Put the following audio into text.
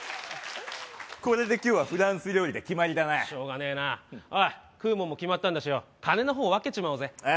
これで今日はフランス料理で決まりだなしょうがねえなおい食うもんも決まったんだしよ金の方分けちまおうぜああ